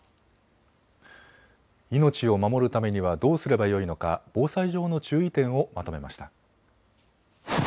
命を守るためにはどうすればよいのか、防災上の注意点をまとめました。